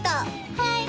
はい！